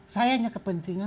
saya hanya kepentingan